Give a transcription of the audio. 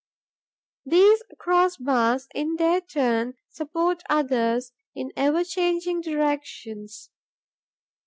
These cross bars, in their turn, support others in ever changing directions.